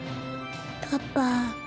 パパ。